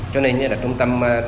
cho nên là trung tâm